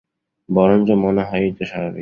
বরঞ্চ মনে হয়, এই তো স্বাভাবিক।